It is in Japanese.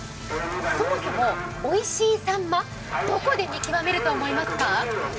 そもそもおいしいさんま、どこで見極めると思いますか？